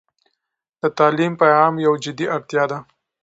د تعلیم پیغام یو جدي اړتيا ده.